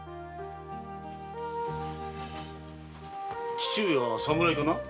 父上は侍かな？